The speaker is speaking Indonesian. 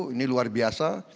ini luar biasa